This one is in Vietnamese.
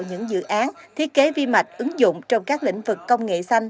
những dự án thiết kế vi mạch ứng dụng trong các lĩnh vực công nghệ xanh